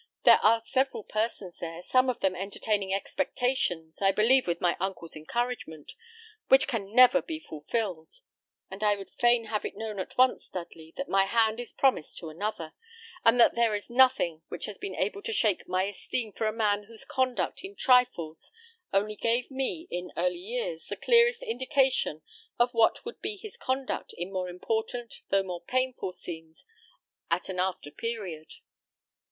There are several persons there, some of them entertaining expectations, I believe with my uncle's encouragement, which can never be fulfilled; and I would fain have it known at once, Dudley, that my hand is promised to another, and that there is nothing which has been able to shake my esteem for a man whose conduct in trifles only gave me, in early years, the clearest indication of what would be his conduct in more important, though more painful, scenes at an after period."